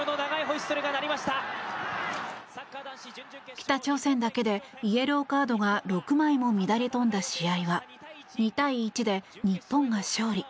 北朝鮮だけでイエローカードが６枚も乱れ飛んだ試合は２対１で日本が勝利。